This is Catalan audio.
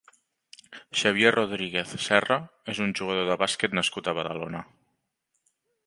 Xavier Rodríguez Serra és un jugador de bàsquet nascut a Badalona.